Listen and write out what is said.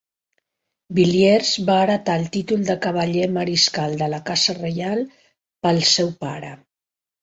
Villiers va heretar el títol de cavaller mariscal de la casa reial del seu pare.